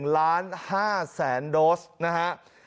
๑๕ล้านโดสนะฮะ